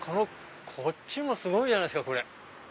こっちもすごいじゃないですか。